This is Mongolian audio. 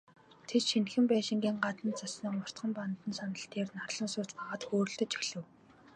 Тэд, шинэхэн байшингийн гадна зассан уртхан бандан сандал дээр нарлан сууцгаагаад хөөрөлдөж эхлэв.